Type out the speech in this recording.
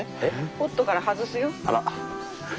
ポットから外すよ。